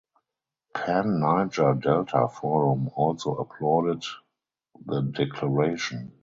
Pan Niger Delta Forum also applauded the Declaration.